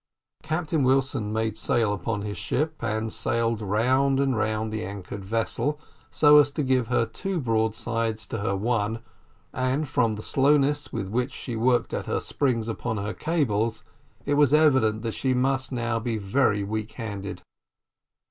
Captain Wilson made sail upon his ship, and sailed round and round the anchored vessel, so as to give her two broadsides to her one, and from the slowness with which she worked at her springs upon her cables, it was evident that she must be now very weak handed.